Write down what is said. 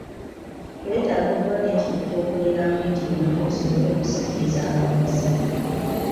Weetaaga okuba n'ekifo ky'okoleramu ekiyonjo osobole okusikiriza abaguzi.